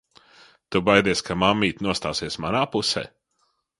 Tu baidies, ka mammīte nostāsies manā pusē?